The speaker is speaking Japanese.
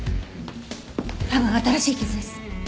多分新しい傷です。